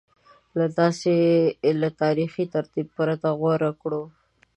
له تاریخي ترتیب پرته غوره کړو